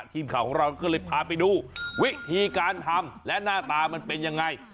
ทีมข่าวของเราก็เลยพาไปดูวิธีการทำและหน้าตามันเป็นยังไง